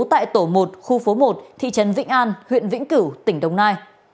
tại tổ một khu phố một thị trấn vĩnh an huyện vĩnh cửu tỉnh đồng nai